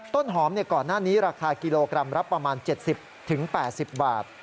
ต้นหอมก่อนหน้านี้ราคากิโลกรัมละประมาณ๗๐๘๐บาท